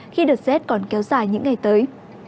khi đợt z còn kéo dài những ngày tới